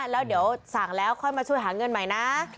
แล้วเดี๋ยวสั่งแล้วค่อยมาช่วยหาเงินใหม่นะ